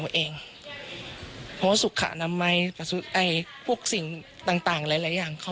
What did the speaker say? คุณผู้ชมฟังเสียงคุณธนทัศน์เล่ากันหน่อยนะคะ